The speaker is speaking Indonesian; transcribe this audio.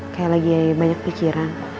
kayak lagi banyak pikiran